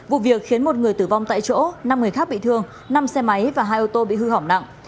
vụ việc khiến một người tử vong tại chỗ năm người khác bị thương năm xe máy và hai ô tô bị hư hỏng nặng